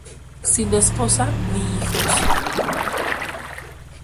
Sin esposa ni hijos.